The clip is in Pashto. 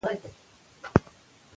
د کور دننه يخ باد بند کړئ.